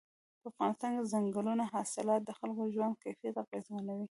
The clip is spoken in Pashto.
په افغانستان کې ځنګلي حاصلات د خلکو ژوند کیفیت اغېزمنوي.